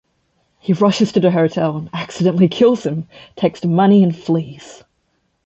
He rushes to the hotel and accidentally kills him, takes the money and flees.